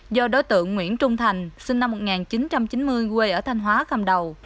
do đối tượng nguyễn trung thành sinh năm một nghìn chín trăm chín mươi quê ở thanh hóa cầm đầu